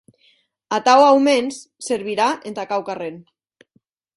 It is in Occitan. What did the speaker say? Atau, aumens, servirà entà quauquarren.